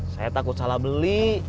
saya takut salah beli